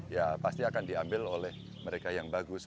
ya pasti akan diambil oleh mereka yang bagus